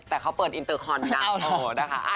แต่เขาเปิดอินเตอร์คอนดับนะคะ